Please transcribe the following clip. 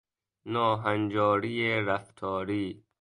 ناهنجاری رفتاری